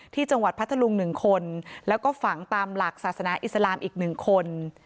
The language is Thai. พัทธลุง๑คนแล้วก็ฝังตามหลักศาสนาอิสลามอีก๑คน